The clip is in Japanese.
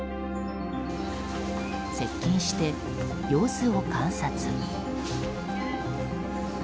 接近して様子を観察。